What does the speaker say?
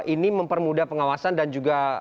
ini mempermudah pengawasan dan juga